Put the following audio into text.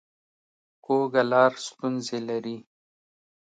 کوږه لار ستونزې لري